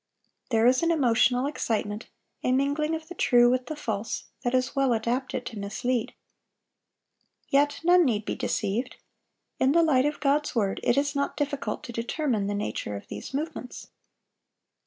There is an emotional excitement, a mingling of the true with the false, that is well adapted to mislead. Yet none need be deceived. In the light of God's word it is not difficult to determine the nature of these movements.